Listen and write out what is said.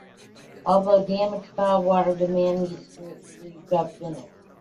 Although damaged by water, the manuscript proved authentic.